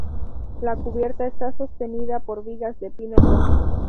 La cubierta está sostenida por vigas de pino rojo.